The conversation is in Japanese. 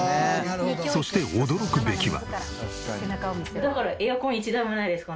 そして驚くべきは。